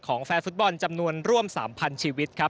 แฟนฟุตบอลจำนวนร่วม๓๐๐ชีวิตครับ